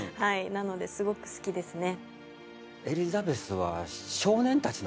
なのですごく好きですね